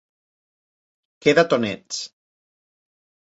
Queda't on ets.